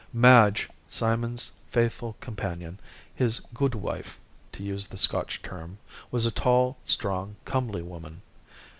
Madge, Simon's faithful companion, his "gude wife," to use the Scotch term, was a tall, strong, comely woman.